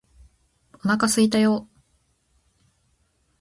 お腹すいたよーー